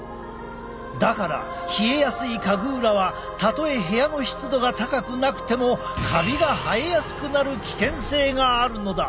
だから冷えやすい家具裏はたとえ部屋の湿度が高くなくてもカビが生えやすくなる危険性があるのだ。